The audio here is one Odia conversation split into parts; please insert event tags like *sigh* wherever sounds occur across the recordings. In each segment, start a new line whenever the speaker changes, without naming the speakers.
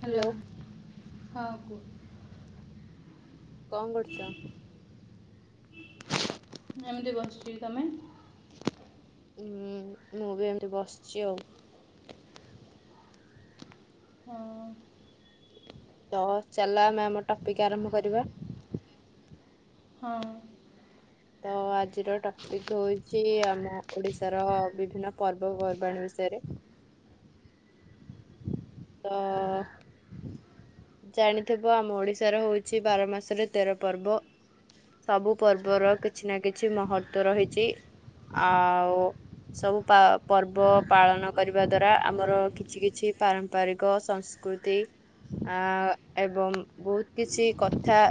ହ୍ୟାଲୋ! ହଁ କୁହ।
କଣ କରୁଛ?
ଏମିତି ବସଛି ତମେ?
ହୁଁ, ମୁଁ ବି ଏମତି ବସିଚି ଆଉ।
ହଁ।
ତ, ଚାଲ ଆମେ ଆମ ଟପିକ଼ ଆରମ୍ଭ କରିବା।
ହଁ।
ତ, ଆଜିର ଟପିକ ହଉଛି। ଆମ ଓଡିଶାର ବିଭିନ୍ନ ପର୍ବପର୍ବାଣି ବିଷୟରେ। ତ ଜାଣିଥିବ ଆମ ଓଡିଶାର ହଉଛି, ବାର ମାସରେ ତେର ପର୍ବ। ସବୁ ପର୍ବର କିଛି ନା କିଛି ମହତ୍ଵ ରହିଛି। ଆଉ-ଉ ସବୁ ପା ପର୍ବ ପାଳନ କରିବା ଦ୍ଵାରା ଆମର କିଛି କିଛି ପାରମ୍ପରିକ ସଂସ୍ *inaudible* ଆ ଏବଂ ବହୁତ କିଛି କଥା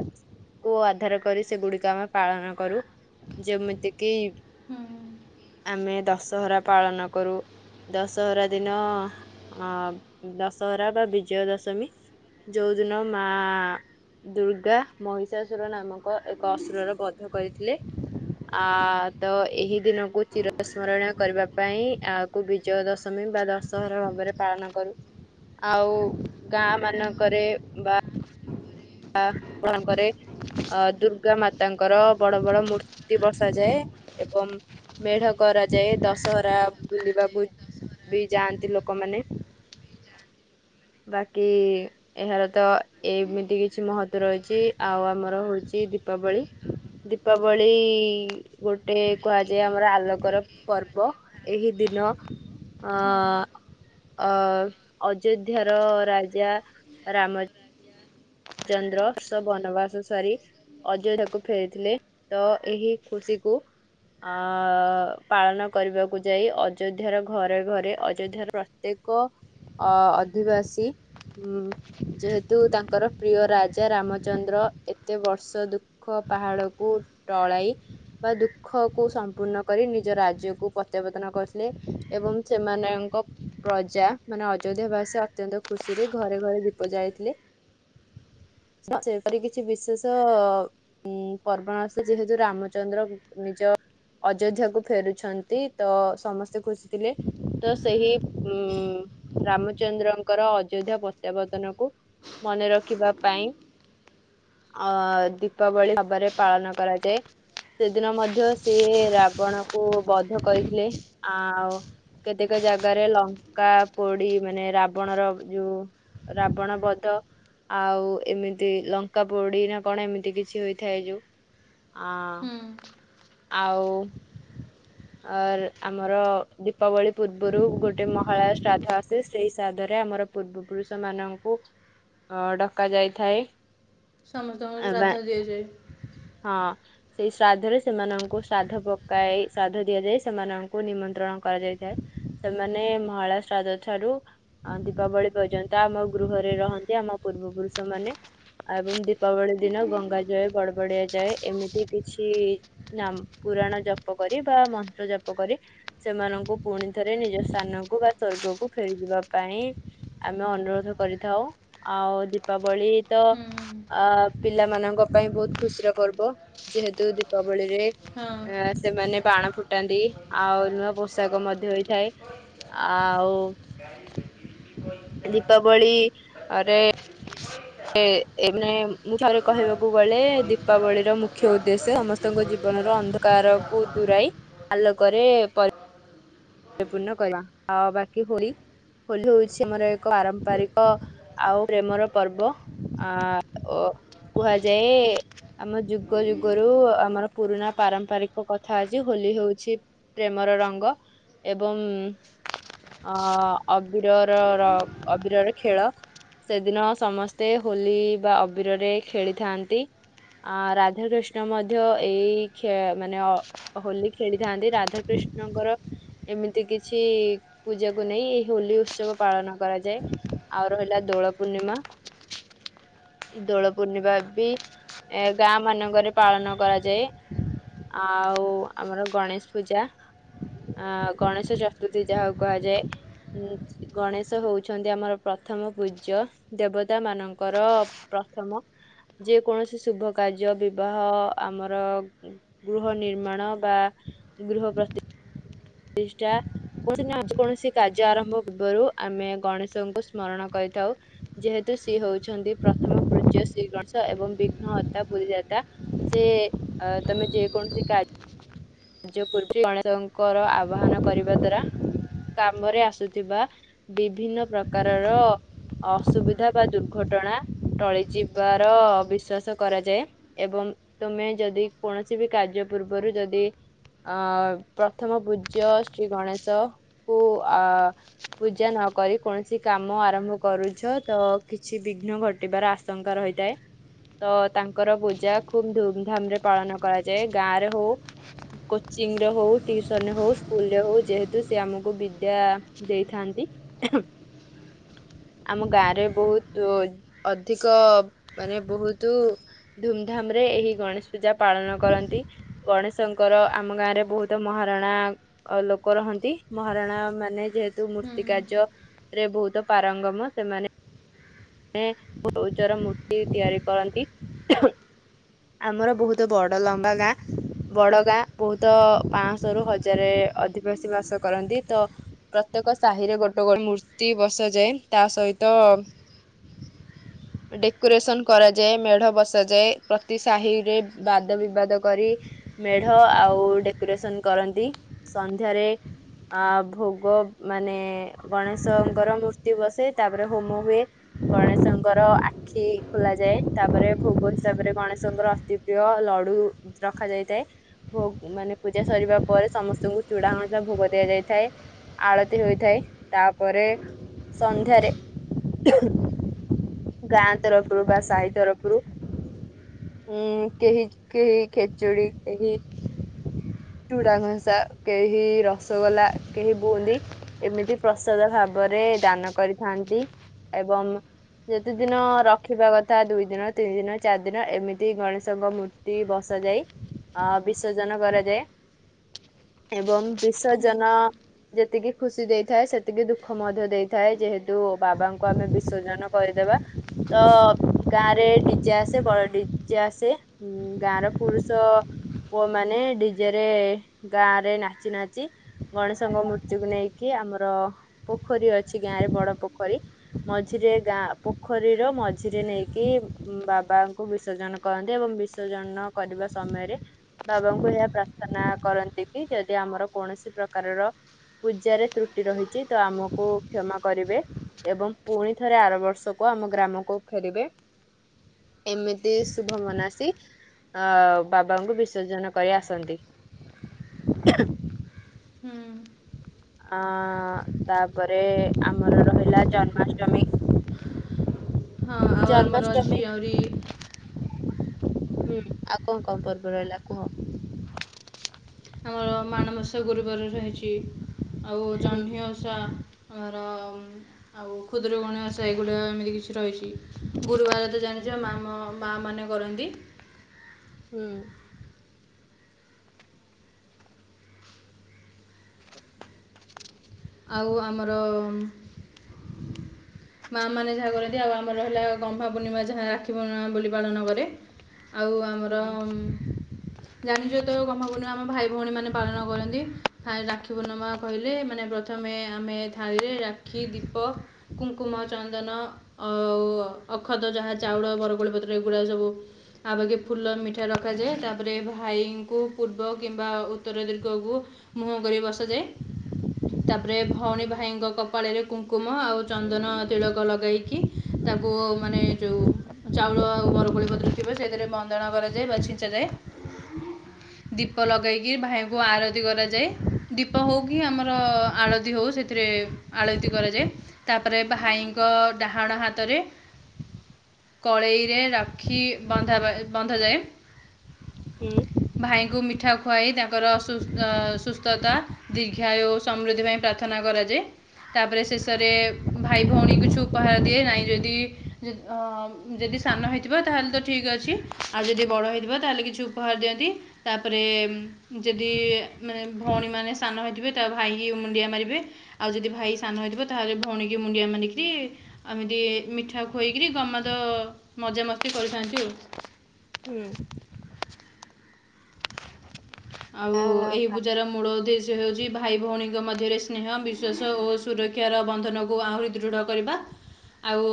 କୁ ଆଧାର କରି ସେଗୁଡିକ ଆମେ ପାଳନ କରୁ ଯେମିତି କିି
ହୁଁ
ଆମେ ଦଶହରା ପାଳନ କରୁ। ଦଶହରା ଦିନ ଦଶହରା ବା ବିଜୟ ଦଶମୀ ଯଉଦିନ ମା ଦୁର୍ଗା ମହିଷାସୁର ନାମକ ଏକ ଅସୁରର ବଧ କରିଥିଲେ। ଆ ତ ଏହି ଦିନକୁ ଚିର ସ୍ମରଣୀୟ କରିବା ପାଇଁ ଆ କୁ ବିଜୟ ଦଶମୀ ବା ଦଶହରା ଭାବରେ ପାଳନ କରୁ ଆଉ ଗାଁ
ହୁଁ
ମାନଙ୍କ କରେ ବା ବା ଭଣଙ୍କରେ ଅ ଦୁର୍ଗା ମାତାଙ୍କର ବଡ ବଡ ମୂର୍ତ୍ତି ବସାଯାଏ ଏବଂ ମେଢ କରାଯାଏ ଦଶହରା ବୁଲିବାକୁ ବି ଯାଆନ୍ତି ଲୋକମାନେ ବାକି ଏହାର ତ ଏମିତି କିଛି କିଛି ମହତ୍ଵ ରହିଛି ଆଉ ଆମର ହଉଛି ଦୀପାବଳି ଦୀପାବଳି ଗୋଟେ କୁହାଯାଏ ଆମର ଆଲୋକର ପର୍ବ ଏହି ଦିନ ଅ
ହଁ
ଅ ଅଯୋଧ୍ୟାର ରାଜା ରାମ ଚନ୍ଦ୍ର ସ ବନବାସ ସାରି ଅଯୋଧ୍ୟାକୁ ଫେରିଥିଲେ ତ ଏହି ଖୁସିକୁ ଅ ପାଳନ କରିବାକୁ ଯାଇ ଅଯୋଧ୍ୟାର ଘରେ ଘରେ ଅଯୋଧ୍ୟାର ଏକ ଅ ଅଧିବାସୀ ଉ ଯେହେତୁ ତାଙ୍କର ପ୍ରିୟ ରାଜା ରାମଚନ୍ଦ୍ର ଏତେ ବର୍ଷ ଦୁଃଖ ପାହାଡକୁ ଟଳାଇ ବା ଦୁଃଖ କୁ ସମ୍ପୂର୍ଣ୍ଣ କରି ନିଜ ରାଜ୍ୟକୁ ପ୍ରତ୍ୟାବର୍ତ୍ତନ କରିଥିଲେ ଏବଂ ସେମାନଙ୍କ ପ୍ରଜା ମାନେ ଅଯୋଧ୍ୟା ଭାସି ଅତ୍ୟନ୍ତ ଖୁସିରେ ଘରେ ଘରେ ଦୀପ ଯାଇଥିଲେ। ସେପରି କିଛି ବିଶେଷ ଉଁ ପର୍ବଣାସ ଯେହେତୁ ରାମଚନ୍ଦ୍ର ନିଜ ଅଯୋଧ୍ୟା କୁ ଫେରୁଛନ୍ତି ତ ସମସ୍ତେ ଖୁସି ଥିଲେ ତ ସେହି ହୁଁ ରାମଚନ୍ଦ୍ରଙ୍କର ଅଯୋଧ୍ୟା ପ୍ରତ୍ୟାବର୍ତ୍ତନ କୁ ମନେ ରଖିବା ପାଇଁ ଅ ଦୀପାବଳି ଭାବରେ ପାଳନ କରାଯାଏ ସେଦିନ ମଧ୍ୟ ସିଏ ରାବଣ କୁ ବଧ କରିଥିଲେ ଆଉ କେତେକ ଜାଗାରେ ଲଙ୍କା ପୋଡି ମାନେ ରାବଣ ର ଯୋଉ ରାବଣ ବଧ ଆଉ ଏମିତି ଲଙ୍କା ପୋଡି ନା କଣ ଏମିତି କିଛି ହେଇଥାଏ ଯୋଉ ଆ
ହୁଁ
ଆଉ ଅର୍ ଆମର ଦୀପାବଳି ପୂର୍ବରୁ ଗୋଟେ ମହଳା ଶ୍ରାଦ୍ଧ ଆସେ ସେଇ ଶ୍ରାଦ୍ଧରେ ଆମର ପୂର୍ବ ପୁରୁଷ ମାନଙ୍କୁ ଅ ଡକା ଯାଇଥାଏ
ସମସ୍ତଙ୍କୁ
ଆ ବା
ଶ୍ରାଦ୍ଧ ଦିଆଯାଏ।
ହଁ ସେଇ ଶ୍ରାଦ୍ଧ ରେ ସେମାନଙ୍କୁ ଶ୍ରାଦ୍ଧ ପକାଇ ଶ୍ରାଦ୍ଧ ଦିଆଯାଇ ସେମାନଙ୍କୁ ନିମନ୍ତ୍ରଣ କରାଯାଇଥାଏ। ସେମାନେ ମହାଳୟା ଶ୍ରାଦ ଠାରୁ ଆ ଦୀପାବଳି ପର୍ଯ୍ୟନ୍ତ ଆମ ଗୃହରେ ରହନ୍ତି ଆମ ପୂର୍ବ ପୁରୁଷ ମାନେ ଆଉ ଏବଂ ଦୀପାବଳି ଦିନ ଗଙ୍ଗା ଜଳ ବଡ ବଡିଆାଇଛି ଯାଏ ଏମିତି କିଛି ନାମ ପୁରାଣ ଜପ କରି ବା ମନ୍ତ୍ର ଜପ କରି ସେମାନଙ୍କୁ ପୁଣି ଥରେ ନିଜ ସ୍ଥାନକୁ ବା ସ୍ଵର୍ଗକୁ ଫେରିଯିବା ପାଇଁ ଆମେ ଅନୁରୋଧ କରିଥାଉ ଆଉ ଦୀପାବଳି ତ
ହୁଁ
ଅ ପିଲାମାନଙ୍କ ପାଇଁ ବହୁତ ଖୁସିର ପର୍ବ ଯେହେତୁ ଦୀପାବଳିରେ
ହଁ
ଆ ସେମାନେ ବାଣ ଫୁଟାନ୍ତି ଆଉ ନୂଆ ପୋଷାକ ମଧ୍ୟ ହେଇଥାଏ। ଆଉ ଦୀପାବଳି ରେ ଏ ମାନେ ମୁଁ ଥରେ କହିବାକୁ ଗଲେ ଦୀପାବଳି ର ମୁଖ୍ୟ ଉଦ୍ଦେଶ୍ୟ ସମସ୍ତଙ୍କ ଜୀବନର ଅନ୍ଧ କାର କୁ ଦୂରାଇ ଆଲୋକରେ ପର୍ ପୂଣ୍ଣ କରିବା ଆଉ ବାକି ହୋଳି ହୋଲି ହଉଛି ଆମର ଏକ ପାରମ୍ପରିକ ଆଉ ପ୍ରେମର ପର୍ବ ଆ ଓ କୁହାଯାଏ। ଆମ ଯୁଗ ଯୁଗରୁ ଆମର ପୁରୁଣା ପାରମ୍ପରିକ କଥା ଅଛି ହୋଲି ହଉଛି ପ୍ରେମର ରଙ୍ଗ ଏବଂ ଅ ଅବିରର ର ଅବିରର ଖେଳ ସେଦିନ ସମସ୍ତେ ହୋଲି ବା ଅବିରରେ ଖେଳିଥାନ୍ତି। ଅ ରାଧା କୃଷ୍ଣ ମଧ୍ୟ ଏଇ ଖେ ମାନେ ଅ ହୋଲି ଖେଳିଥାନ୍ତି ରାଧା କୃିଷ୍ଣଙ୍କର ଏମିତି କିଛି ପୂଜାକୁ ନେଇ ହୋଲି ଉତ୍ସବ ପାଳନ କରାଯାଏ। ଆର ରହିଲା ଦୋଳ ପୂର୍ଣ୍ଣିମା ଦୋଳ ପୂର୍ଣ୍ଣିମା ବି ଏ ଗାଁ ମାନଙ୍କରେ ପାଳନ କରାଯାଏ। ଆଉ ଆମର ଗଣେଶ ପୂଜା ଆଗ୍ ଗଣେଶ ଚତୁର୍ଥୀ ଯାହାକୁ କୁହାଯାଏ ଉଁ ଗଣେଶ ହଉଛନ୍ତି ଆମର ପ୍ରଥମ ପୂଜ୍ୟ ଦେବତା ମାନଙ୍କର ପ୍ରଥମ ଯେ କୌଣସି ଶୁଭ କାର୍ଯ୍ୟ ବିବାହ ଆମର ଗୃହ ନିର୍ମାଣ ବା ଗୃହ ପ୍ରତି ତିଷ୍ଟା କୌଣସି ନା କୌଣସି କାର୍ଯ୍ୟ ଆରମ୍ଭ ପୂର୍ବରୁ ଆମେ ଗଣେଶଙ୍କୁ ସ୍ମରଣ କରିଥାଉ। ଯେହେତୁ ସିଏ ହଉଛନ୍ତି ପ୍ରଥମ ପୁଜ୍ୟ ଶ୍ରୀ ଗଣେଶ ଏବଂ ବିଘ୍ନ ହତା ପୁରୀଯାତା। ସେ ତମେ ଯେକୌଣସି କାର୍ ଯୋଉ *unintelligible* ଗଣେଶଙ୍କର ଆହ୍ୱାନ କରିବା ଦ୍ଵାରା କାମରେ ଆସୁଥିବା ବିଭିନ୍ନ ପ୍ରକାରର ଅସୁବିଧା ବା ଦୁର୍ଘଟଣା। ଟଳି ଯିବାର ବିଶ୍ଵାସ କରାଯାଏ। ଏବଂ ତୁମେ ଯଦି କୌଣସି ବି କାର୍ଯ୍ୟ ପୂର୍ବରୁ ଯଦି ଆ ପ୍ରଥମ ପୂଜ୍ୟ ଶ୍ରୀ ଗଣେଶ କୁ ଆ ପୂଜା ନକରି କୌଣସି କାମ ଆରମ୍ଭ କରୁଛ ତ କିଛି ବିଘ୍ନ ଘଟିବାର ଆସ୍‌ ଶଙ୍କର ହେଇଥାଏ। ତ ତାଙ୍କର ପୂଜା ଖୁବ୍ ଧୁମ୍ ଧାମ୍ ରେ ପାଳନ କରାଯାଏ ଗାଁ ରେ ହଉ କୋଚିଂ ରେ ହଉ ଟିଉସନରେ ହଉ ସ୍କୁଲ ରେ ହଉ ଯେହେତୁ ସେ ଆମକୁ ବିଦ୍ୟା ଦେଇଥାନ୍ତି। ଆମ ଗାଁ ରେ ବହୁତୁ ଅଧିକ ମାନେ ବହୁତୁ ଧୁମ୍ ଧାମ୍ ରେ ଏହି ଗଣେଶ ପୂଜା ପାଳନ କରନ୍ତି ଗଣେଶ ଶଙ୍କର ଆମ ଗାଁ ରେ ବହୁତ ମହାରଣା ଲୋକ ରହନ୍ତି ମହାରଣା ମାନେ ଯେହେତ୍ କି
ହୁଁ
ମୂର୍ତ୍ତି କାର୍ଯ୍ୟ ରେ ବହୁତ ପାରଙ୍ଗମ ସେମାନେ ଯେ ଉଜର ମୂର୍ତ୍ତି ତିଆରି କରନ୍ତି। ଆମର ବହୁତ ବଡ ଲମ୍ବା ଗାଁ। ବଡ ଗାଁ ବହୁତ ପାଆଁଶହ ରୁ ହଜାର ଅଧିବାସୀ ବାସ କରନ୍ତି ତ ପ୍ରତ୍ୟେକ ସାହିରେ ଗୋଟେ ଗୋଟେ ମୂର୍ତ୍ତି ବସାଯାଏ ତା ସହିତ ହ ଡେକୋରେସନ କରାଯାଏ ମେଢ ବସାଯାଏ ପ୍ରତି ସାହିରେ ବାଦ ବିବାଦ କରି ମେଢ ଆଉ ଡେକୋରେସନ କରନ୍ତି ସନ୍ଧ୍ୟାରେ ଆ ଭୋଗ ମାନେ ଗଣେଶଙ୍କର ମୂର୍ତ୍ତି ବସେ ତାପରେ ହୋମ ହୁଏ ଗଣେଶଙ୍କର ଆ ଖି ଖୋଲ ଯାଏ ତାପରେ ଭୋଗ ହିସାବରେ ଗଣେଶଙ୍କର ଅତି ପ୍ରିୟ ଲଡୁ ରଖାଯାଇଥାଏ। ଭୋଗ୍ ମାନେ ପୂଜା ସରିବା ପରେ ସମସ୍ତଙ୍କୁ ଚୁଡ଼ା ଘଂସା ଭୋଗ ଦିଆଯାଇଥାଏ। ଆଳତି ହୋଇଥାଏ ତାପରେ ସନ୍ଧ୍ୟାରେ ଗାଁ ତରଫରୁ ବା ସାହି ତରଫରୁ ଉଁ କେହି କେହି ଖେଚୁଡ଼ି କେହି ଚୁଡ଼ା ଘସା କେହି ରସଗୋଲା କେହି ବୁନ୍ଦି ଏମିତି ପ୍ରସାଦ ଭାବରେ ଦାନ କରିଥାନ୍ତି ଏବଂ ଯେତେ ଦିନ ରଖିବା କଥା ଦୁଇ ଦିନ ତିନି ଦିନ ଚାରି ଦିନ ଏମିତି ଗଣେଶଙ୍କ ମୂ ତି ବସା ଯାଇ ଅ ବିସର୍ଜନ କରାଯାଏ। ଏବଂ
ହୁଁ
ବିସର୍ଜନ ଯେତିକି ଖୁସି ଦେଇଥାଏ ସେତିକି ଦୁଃଖ ମଧ୍ୟ ଦେଇଥାଏ ଯେହେତୁ ବାବାଙ୍କୁ ଆମେ ବିସର୍ଜନ କରିଦେବା। ତ ଗାଁ ରେ ଡ଼ିଜେ ଆସେ ବଳ ଡ଼ିଜେ ଆସେ। ଉଁ ଗାଁ ର ପୁରୁଷ ପୁଅ ମାନେ ଡ଼ି ଜେ ରେ ଗାଁ ରେ ନାଚି ନାଚି ଗଣେଶଙ୍କ ମୂର୍ତ୍ତି କୁ ନେଇକି ଆମର ପୋଖରୀ ଅଛି ଗାଁରେ ବଡ଼ ପୋଖରୀ ମଝିରେ ଗାଁ ପୋଖରୀର ମଝିରେ ନେଇକି ବାବାଙ୍କୁ ବିସର୍ଜନ କରନ୍ତି ଏବଂ ବିସର୍ଜନ କରିବା ସମୟରେ ବାବାଙ୍କୁ ଏହା ପ୍ରା ଥନା କରନ୍ତି କି ଯଦି ଆମର କୌଣସି ପ୍ରକାରର ପୂଜାରେ ତ୍ରୁଟି ରହିଛି ତ ଆମକୁ କ୍ଷମା କରିବେ। ଏବଂ ପୁଣି ଥରେ ଆର ବର୍ଷକୁ ଆମ ଗ୍ରାମକୁ ଫେରିବେ। ଏମିତି ଶୁଭ ମନାସୀ ଆ ବାବାଙ୍କୁ ବିସର୍ଜନ କରି ଆସନ୍ତି।
ହୁଁ।
ଆ ତାପରେ ଆମର ରହିଲା ଜନ୍ମାଷ୍ଟମୀ।
ହଁ ଆଉ ଆମର ଅଛି
ଜନ୍ମାଷ୍ଟମୀ। ହୁଁ
ଆହୁରି
ଆଉ କଣ ଙ୍କ ପର୍ବ ରହିଲା କୁହ।
ଆମର ମାଣବସା ଗୁରୁବାର ରହିଚି ଆଉ
ହୁଁ
ଜହ୍ନି ଓ ଷା ଆ ର ଆଉ ଖୁଦୁରୁକୁଣୀ ଓଷା ଏଇଗୁଡ଼ିକ ଏମିତି କିଛି ରହିଛି ଗୁରୁବାର ତ
ହୁଁ
ଜାଣିଚ ମାମ ମା ମାନେ କରନ୍ତି।
ହୁଁ।
ଆଉ ଆମର ମା ମାନେ ଯାହା କରନ୍ତି ଆଉ ଆମର ହେଲା ଗହ୍ମା ପୂର୍ଣ୍ଣିମା ଯାହା ରାକ୍ଷୀ ପୂର୍ଣ୍ଣିମା ବୋଲି ପାଳନ କରେ। ଆଉ ଆମର
ହୁଁ
ଉଁ ଜାଣିିଚ ତ ଗହ୍ମାପୂର୍ଣ୍ଣିମା ଆମ ଭାଇ ଭଉଣୀ ମାନେ ପାଳନ କରନ୍ତି ଥାଏ ରାକ୍ଷୀ ପୂର୍ଣ୍ଣମା କହିଲେ ମାନେ ବ୍ର ପ୍ରଥମେ ଆମେ ଥାଳିରେ ରାକ୍ଷୀ ଦୀପ ଙ୍କୁଙ୍କୁମ ଚନ୍ଦନ ଅଉଅ ଅଖଦ ଯାହା ଚାଉଳ ବରକୋଳି ପତ୍ର ଏଗୁଡ଼ା ସବୁ ଆବାଗେ ଫୁଲ ମିଠା ରଖାଯାଏ ତାପରେ ଭାଇଙ୍କୁ ପୂର୍ବ କିମ୍ବା ଉତ୍ତର ଦିର୍ଗକୁ ମୁହଁ କରି ବସାଯାଏ ତାପରେ ଭଉଣୀ ଭାଇଙ୍କ କପାଳେରେ କୁଙ୍କୁମ ଆଉ ଚନ୍ଦନ ତିଳକ ଲଗେଇକି ତାକୁ ଅ ମାନେ ଯୋଉ ଚାଉଳ ଆଉ ବରକୋଳି ପତ୍ର ଥିବା ସେଇଥିରେ ବନ୍ଦାଣ କରାଯାଏ ବା ଛିଞ୍ଚାାଯାଏ। ଦୀପ ଲଗେଇକି ଭାଇଙ୍କୁ ଆରତି କରାଯାଏ ଦୀପ ହୋଉ କିି ଆମର ର ଆଳତି ହୋଉ ସେଥିରେ ଆଳତି କରାଯାଏ। ତା ପରେ ଭାଇଙ୍କ ଡ଼ାହାଣ ହାତରେ କଳେଇରେ ରାକ୍ଷୀ ବନ୍ଧା ବା ବନ୍ଧାଯାଏ।
ହୁଁ।
ଭାଇଙ୍କୁ ମିଠା ଖୁଆଇ ତାଙ୍କର ସୁସ୍ଥ ସୁସ୍ଥତା ଦୀର୍ଘାୟୁ ସମୃଦ୍ଧି ପାଇଁ ପ୍ରାଥନା କରାଯାଏ। ତାପରେ ଶେଷରେ ଭାଇ ଭଉଣୀ କୁ କିଛି ଉପହାର ଦିଏ ନାଇଁ ଯଦି। ଆଁ ଯଦି ସାନ ହେଇଥିବ ତାହେଲେ ତ ଠିକ୍ ଅଛି ଆଉ ଯଦି ବଡ଼ ହେଇଥିବ ତାହେଲେ କିଛି ଉପହାର ଦିଅନ୍ତି। ତାପରେ ଯଦି ମାନେ ଭୋଉଣୀ ମାନେ ସାନ ହେଇଥିବେ ତା। ଭାଇକି ମୁଣ୍ଡିଆ ମାରିବେ ଆଉ ଯଦି ଭାଇ ସାନ ହେଇଥିବ ତାହେଲେ ଭୋଉଣୀକି ମୁଣ୍ଡିଆ ମାରିକିରି। ଆମିତି ମିଠା ଖୁଏଇକିରି ଗମା ତ ମଜାମସ୍ତି କରିଥାନ୍ତି ଆଉ।
ହୁଁ।
ଆଉ
ଆ
ଏଇ ପୁ ଜାର ମୂଳ ଉଦ୍ଦେଶ୍ୟ ହେଉଛି ଭାଇ ଭଉଣୀଙ୍କ ମଧ୍ୟରେ ସ୍ନେହ ବିଶ୍ୱାସ ଓ ସୁରକ୍ଷାର ବନ୍ଧନକୁ ଆହୁରି ଦୃଢ। କରିବା ଆଉ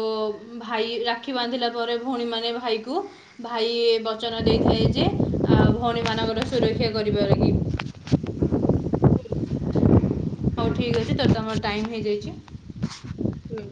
ଭାଇ ରାକ୍ଷୀ ବାନ୍ଧିଲା ପରେ ଭଉଣୀମାନେ ଭାଇକୁ। ଭାଇ ବଚନ ଦେଇଥାଏ ଯେ ଆ ଭଉଣୀ ମାନଙ୍କର ସୁରକ୍ଷା କରିବା ଲାଗି।
ହୁଁ।
ହଉ ଠିକ୍ ଅଛି ଯଦି ତମର ଟାଇମ ହେଇଯାଇଛି।
ହୁଁ